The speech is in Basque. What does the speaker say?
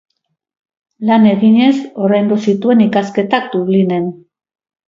Lan eginez ordaindu zituen ikasketak Dublinen.